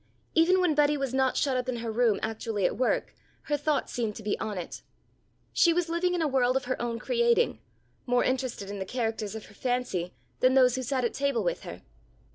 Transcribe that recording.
Even when Betty was not shut up in her room actually at work, her thoughts seemed to be on it. She was living in a world of her own creating, more interested in the characters of her fancy than those who sat at table with her.